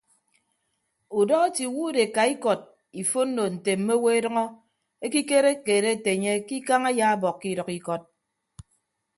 Udọ etiiwuud eka ikọd ifonno nte mme owo edʌñọ ekikere keed ete enye ke ikañ ayaabọkkọ idʌk ikọd.